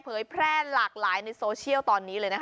เผยแพร่นหลากหลายในโซเชียลตอนนี้เลย